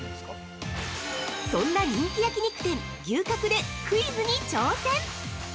そんな人気焼き肉店、牛角でクイズに挑戦！